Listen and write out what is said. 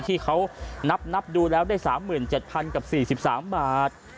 ที่เขานับดูแล้วได้๓๗๐๐กับ๔๓บาท